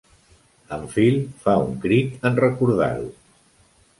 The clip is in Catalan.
En Phil fa un crit en recordar-ho.